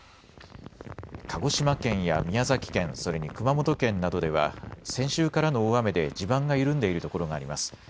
鹿児島県や宮崎県、それに熊本県などでは先週からの大雨で地盤が緩んでいる所があります。